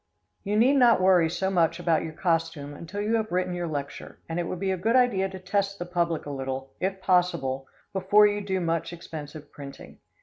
You need not worry so much about your costume until you have written your lecture, and it would be a good idea to test the public a little, if possible, before you do much expensive printing.